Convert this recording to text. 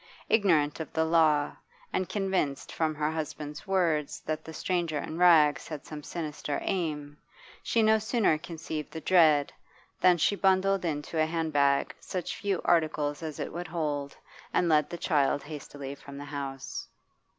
Ignorant of the law, and convinced from her husband's words that the stranger in rags had some sinister aim, she no sooner conceived the dread than she bundled into a hand bag such few articles as it would hold and led the child hastily from the house.